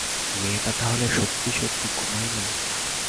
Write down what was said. মেয়েটা তাহলে সত্যি-সত্যি ঘুমায় না?